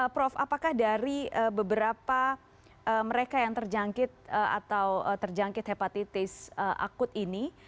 prof apakah dari beberapa mereka yang terjangkit atau terjangkit hepatitis akut ini